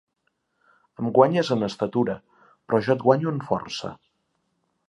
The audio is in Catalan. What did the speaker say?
Em guanyes en estatura, però jo et guanyo en força.